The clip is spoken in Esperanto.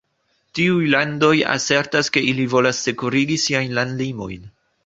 Tiuj landoj asertas ke ili volas sekurigi siajn landlimojn.